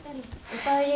おかえり。